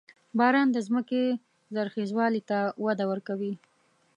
• باران د ځمکې زرخېوالي ته وده ورکوي.